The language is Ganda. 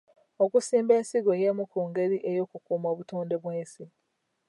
Okusimba ensigo yemu ku ngeri ey'okukuuma obutonde bw'ensi.